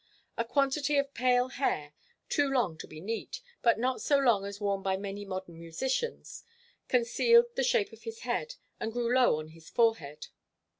A quantity of pale hair, too long to be neat, but not so long as worn by many modern musicians, concealed the shape of his head and grew low on his forehead.